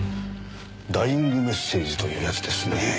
ダイイングメッセージというやつですね。